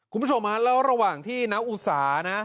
คุณผู้ชมฮะแล้วระหว่างที่น้าอุสานะ